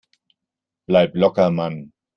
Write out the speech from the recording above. Bleib locker, Mann!